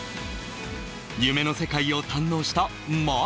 夢の世界を堪能した桝。